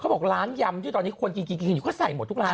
เขาบอกร้านยำที่ตอนนี้ควรกินนี่ก็ใส่หมดรอบทุกร้าน